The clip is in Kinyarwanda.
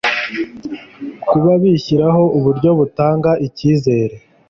kuba bishyiraho uburyo butanga icyizere